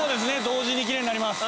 同時にきれいになります。